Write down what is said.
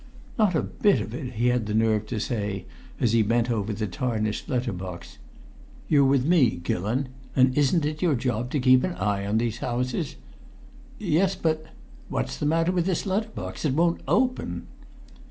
"Not a bit of it!" he had the nerve to say as he bent over the tarnished letter box. "You're with me, Gillon, and isn't it your job to keep an eye on these houses?" "Yes, but " "What's the matter with this letter box? It won't open."